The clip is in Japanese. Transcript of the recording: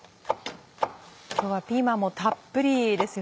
今日はピーマンもたっぷりです。